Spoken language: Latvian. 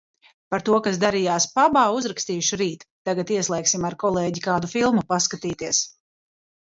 Par to, kas darījās pabā, uzrakstīšu rīt. Tagad ieslēgsim ar kolēģi kādu filmu paskatīties.